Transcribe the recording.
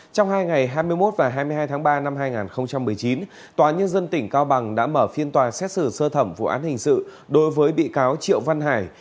trong hai ngày hai mươi một và hai mươi hai tháng ba năm hai nghìn một mươi chín tòa nhân dân tỉnh cao bằng đã mở phiên tòa xét xử sơ thẩm vụ án hình sự đối với bị cáo triệu văn hải